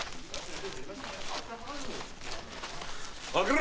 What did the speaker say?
開けろ。